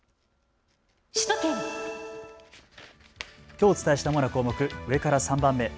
きょうお伝えした主な項目、上から３番目。